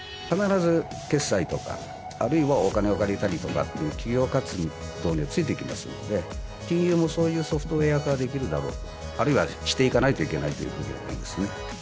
必ず決済とかあるいはお金を借りたりとかっていう企業活動にはついてきますので金融もそういうソフトウエア化ができるだろうとあるいはしていかないといけないというふうに思いますね